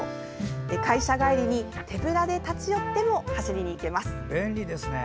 会社帰りに、手ぶらで立ち寄っても走りに行けます。